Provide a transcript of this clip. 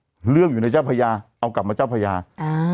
เรื่องอยู่ในเจ้าพญาเอากลับมาเจ้าพญาอ่า